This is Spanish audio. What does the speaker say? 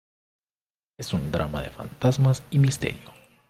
Es un drama de fantasmas y misterio.